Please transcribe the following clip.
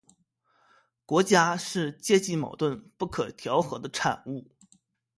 国家是阶级矛盾不可调和的产物